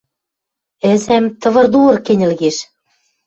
Ӹзӓм тывыр-дувыр кӹньӹл кеш.